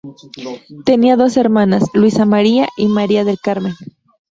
Tenía dos hermanas: Luisa María y María del Carmen.